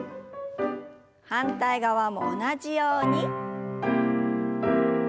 反対側も同じように。